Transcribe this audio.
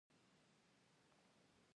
یو سل او شپیتمه پوښتنه د مکتوب صادرول دي.